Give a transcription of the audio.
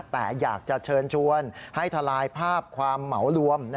แต่อยากจะเชิญชวนให้ทลายภาพความเหมารวม